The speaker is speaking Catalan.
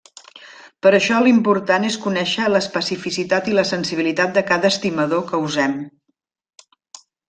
Per això l'important és conèixer l'especificitat i la sensibilitat de cada estimador que usem.